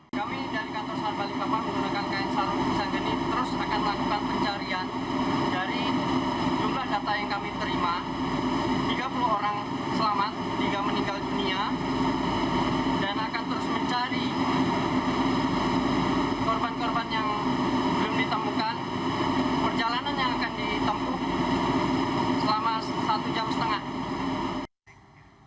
korban korban yang belum ditemukan perjalanan yang akan ditemukan selama satu jam setengah